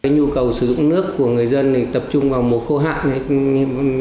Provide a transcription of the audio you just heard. nhu cầu sử dụng nước của người dân tập trung vào mùa khô hạn